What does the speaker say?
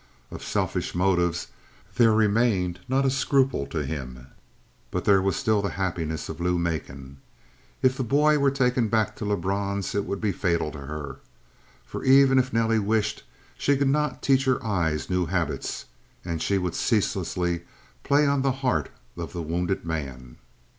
Of selfish motives there remained not a scruple to him, but there was still the happiness of Lou Macon. If the boy were taken back to Lebrun's, it would be fatal to her. For even if Nelly wished, she could not teach her eyes new habits, and she would ceaselessly play on the heart of the wounded man.